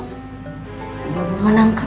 udah mau nangkat